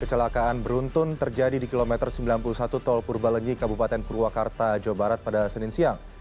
kecelakaan beruntun terjadi di kilometer sembilan puluh satu tol purbalenyi kabupaten purwakarta jawa barat pada senin siang